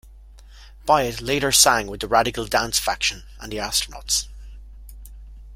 Byatt later sang with Radical Dance Faction and The Astronauts.